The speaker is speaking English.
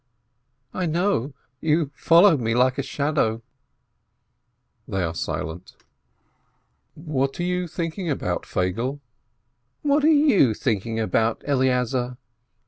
"I know. You followed me like a shadow." A SIMPLE STORY 497 They are silent. "What are you thinking about, Feigele ?" "What are you thinking about, Eleazar